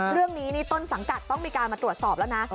เรื่องนี้นี่ต้นสังกัดต้องมีการมาตรวจสอบแล้วนะ